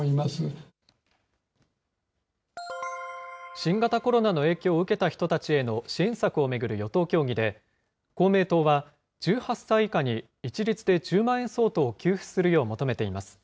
新型コロナの影響を受けた人たちへの支援策を巡る与党協議で、公明党は、１８歳以下に一律で１０万円相当を給付するよう求めています。